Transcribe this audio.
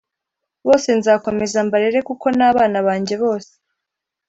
Bose nzakomeza mbarere kuko nabana banjye bose